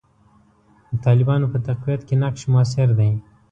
د طالبانو په تقویت کې نقش موثر دی.